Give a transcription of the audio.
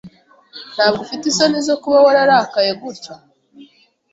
Ntabwo ufite isoni zo kuba wararakaye gutya?